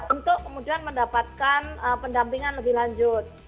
untuk kemudian mendapatkan pendampingan lebih lanjut